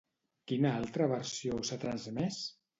Quina altra versió s'ha transmès?